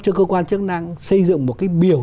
cho cơ quan chức năng xây dựng một cái biểu